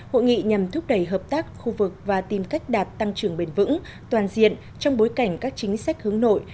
hội nghị nhằm thúc đẩy hợp tác khu vực và tìm cách đạt tăng trưởng bền vững toàn diện trong bối cảnh các chính sách hướng nội